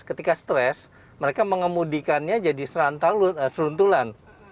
ketika stres mereka mengemudikannya jadi seruntulan